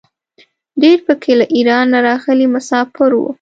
ډېر په کې له ایران نه راغلي مساپر وو.